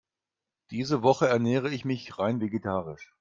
Diese Woche ernähre ich mich rein vegetarisch.